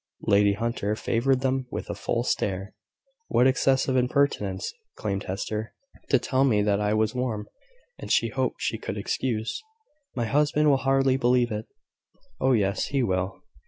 Lady Hunter favoured them with a full stare. "What excessive impertinence!" exclaimed Hester. "To tell me that I was warm, and she hoped she could excuse! My husband will hardly believe it." "Oh, yes, he will.